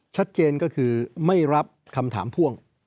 ชัดเจนก็คือไม่รับคำถามพ่วง